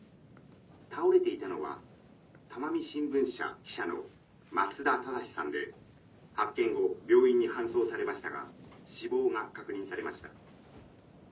倒れていたのは珠海新聞社記者の増田直志さんで発見後病院に搬送されましたが死亡が確認されました。